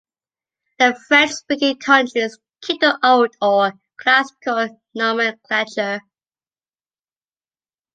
The French-speaking countries keep the old or classical nomenclature.